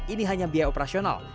ini hanya biaya operasional